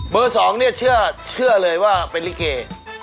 เบอร์สองเนี่ยเชื่อเลยว่าเป็นลิเกย์